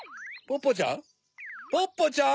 ポッポちゃん？